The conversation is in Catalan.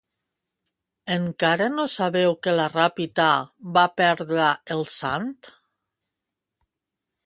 Encara no sabeu que la Ràpita va perdre el sant?